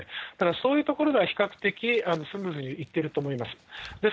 そういうところでは比較的スムーズにいってると思います。